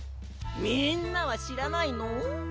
みんなは知らないの？